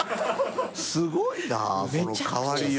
すごいなその変わりよう。